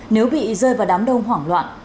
nếu bị rơi vào đám đông hoảng loạn